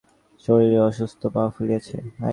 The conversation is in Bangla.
শরীর অসুস্থ, পা ফুলিয়াছে।